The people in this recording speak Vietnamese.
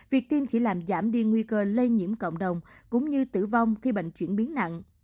việc tiêm chỉ làm giảm đi nguy cơ lây nhiễm cộng đồng cũng như tử vong khi bệnh chuyển biến nặng